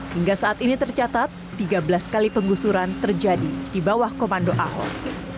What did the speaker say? hingga saat ini tercatat tiga belas kali penggusuran terjadi di bawah komando ahok